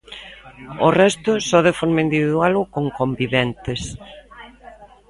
O resto, só de forma individual ou con conviventes.